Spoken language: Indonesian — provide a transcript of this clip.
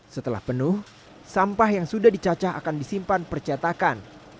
setelah penuh sampah yang sudah dicacah akan disimpan percetakan